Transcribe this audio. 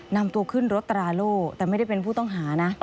นำตัวขึ้นรถตราโล่แต่ไม่ได้เป็นผู้ต้องหานะ